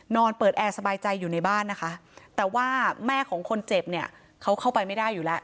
นอนเปิดแอร์สบายใจอยู่ในบ้านนะคะแต่ว่าแม่ของคนเจ็บเนี่ยเขาเข้าไปไม่ได้อยู่แล้ว